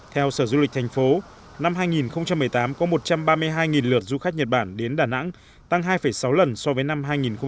theo sở du lịch thành phố năm hai nghìn một mươi tám có một trăm ba mươi hai lượt du khách nhật bản đến đà nẵng tăng hai sáu lần so với năm hai nghìn một mươi bảy